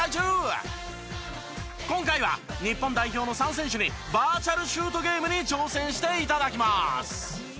今回は日本代表の３選手にバーチャル・シュートゲームに挑戦して頂きます。